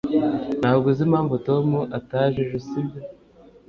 ntabwo uzi impamvu tom ataje ejo, sibyo